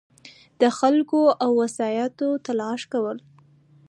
دخلګو او وسایطو تلاښي کول